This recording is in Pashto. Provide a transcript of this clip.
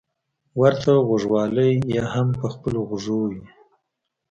ورته غوږوالۍ يې هم په خپلو غوږو وې.